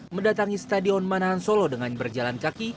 mendatangi stadion manahan solo dengan berjalan kaki